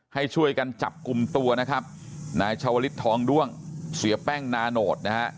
ให้ช่วยกันจับกลุ่มตัวนะครับนายชาวลิศทองด้วงเสียแป้งนาโนตนะฮะ